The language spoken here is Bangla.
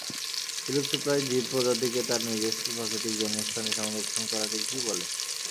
বিলুপ্তপ্রায় জীব প্রজাতিকে তার নিজস্ব প্রাকৃতিক জন্মস্থানে সংরক্ষণ করাকে কি বলে?